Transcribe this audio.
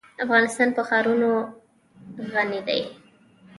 افغانستان په ښارونه غني دی.